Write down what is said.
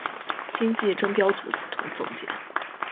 今季争标组总结。